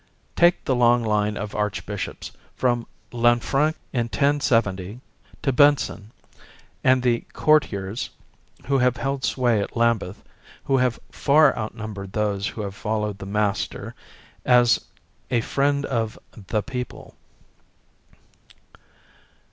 Take the long line of Archbishops, from Lanfranc in 1070 to Benson, and the "courtiers" who have held sway at Lambeth, who have far outnumbered those who have followed The Master, as a friend of "the people."